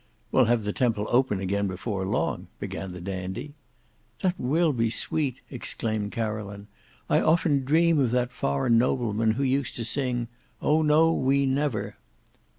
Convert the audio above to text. "We'll have the Temple open again before long," said the Dandy. "That will be sweet," exclaimed Caroline. "I often dream of that foreign nobleman who used to sing, 'Oh, no, we never!